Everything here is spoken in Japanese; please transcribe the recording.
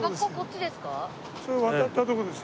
それ渡ったとこです。